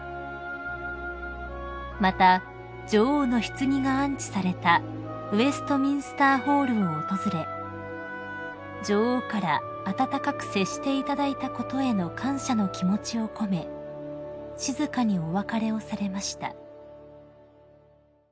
［また女王のひつぎが安置されたウェストミンスターホールを訪れ女王から温かく接していただいたことへの感謝の気持ちを込め静かにお別れをされました］